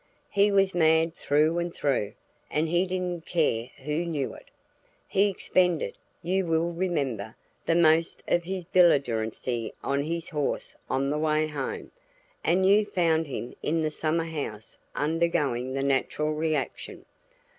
He was mad through and through, and he didn't care who knew it. He expended you will remember the most of his belligerency on his horse on the way home, and you found him in the summer house undergoing the natural reaction.